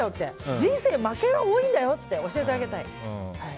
人生負けが多いんだよって教えてあげたい。